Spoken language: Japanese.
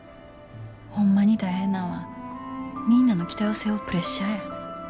ホンマに大変なんはみんなの期待を背負うプレッシャーや。